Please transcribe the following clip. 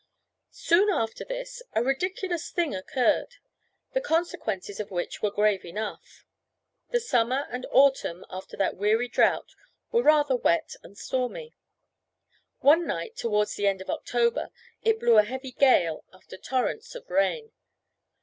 Soon after this, a ridiculous thing occurred, the consequences of which were grave enough. The summer and autumn after that weary drought were rather wet and stormy. One night towards the end of October, it blew a heavy gale after torrents of rain.